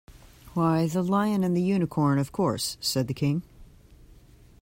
‘Why the Lion and the Unicorn, of course,’ said the King.